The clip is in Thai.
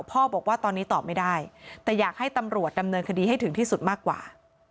บอกว่าตอนนี้ตอบไม่ได้แต่อยากให้ตำรวจดำเนินคดีให้ถึงที่สุดมากกว่า